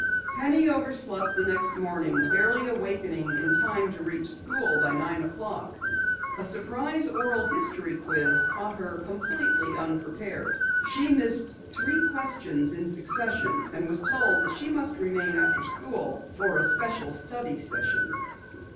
Penny overslept the next morning, barely awakening in time to reach school by nine o'clock. A surprise oral history quiz caught her completely unprepared. She missed three questions in succession, and was told that she must remain after school for a special study session.